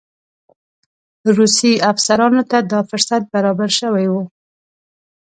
روسي افسرانو ته دا فرصت برابر شوی وو.